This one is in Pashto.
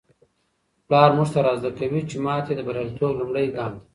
پلار موږ ته را زده کوي چي ماتې د بریالیتوب لومړی ګام دی.